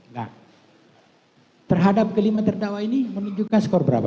nah terhadap kelima terdakwa ini menunjukkan skor berapa